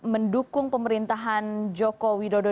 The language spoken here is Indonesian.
mendukung pemerintahan joko widodo